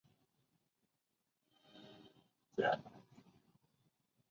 它们部分由肝生成。